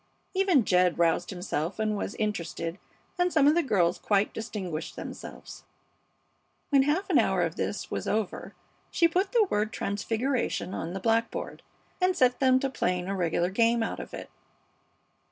Even Jed roused himself and was interested, and some of the girls quite distinguished themselves. When a half hour of this was over she put the word "TRANSFIGURATION" on the blackboard, and set them to playing a regular game out of it.